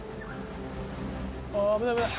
「危ない危ない！」